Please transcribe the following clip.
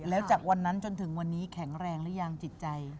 แล้วจากวันนั้นจนถึงวันนี้แข็งแรงหรือยังจิตใจ